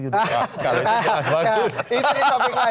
kalau itu jelas bagus